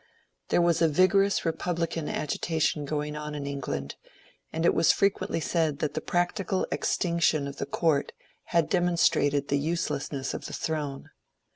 There was a vigorous CONGRESS AND PARLIAMENT 73 republican agitation going on in England, and it was fre quently said that the practical extinction of the Court had demonstrated the uselessness of the throne.